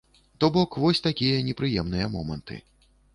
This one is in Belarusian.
То бок вось такія непрыемныя моманты.